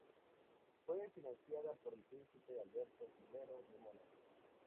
Fue financiada por el príncipe Alberto I de Mónaco.